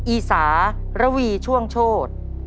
อีสารวีช่วงโชษ